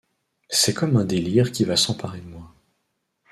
C’est comme un délire qui va s’emparer de moi.